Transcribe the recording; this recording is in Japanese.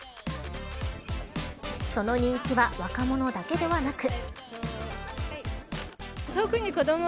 その人気は若者だけではなく。